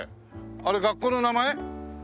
あれ学校の名前？